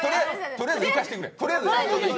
とりあえずいかしてくれ。